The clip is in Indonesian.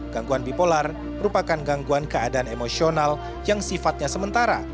gangguan bipolar merupakan gangguan keadaan emosional yang sifatnya sementara